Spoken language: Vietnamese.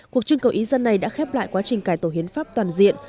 cuộc trưng cầu ý dân này đã khép lại quá trình cải tổ hiến pháp toàn diện